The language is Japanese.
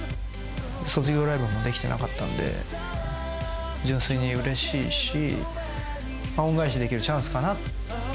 卒業ライブもできてなかったんで、純粋にうれしいし、恩返しできるチャンスかな。